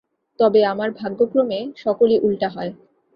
তবে আমার ভাগ্যক্রমে সকলই উলটা হয়।